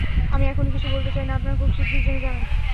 আমি এখনই কিছু বলতে চাই না, আপনারা খুব শিগগির জেনে যাবেন।